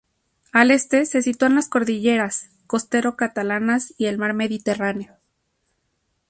Al este se sitúan las cordilleras Costero Catalanas y el mar Mediterráneo.